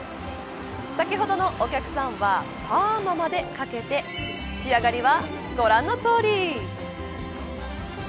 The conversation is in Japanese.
先ほどのお客さんはパーマまでかけて仕上がりは、ご覧のとおり。